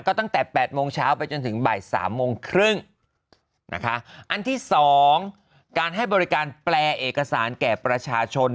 ก็ตั้งแต่แปดโมงเช้าไปจนถึงบ่ายสามโมงครึ่งนะคะอันที่สองการให้บริการแปลเอกสารแก่ประชาชน